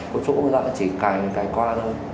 có chỗ người ta chỉ cài qua thôi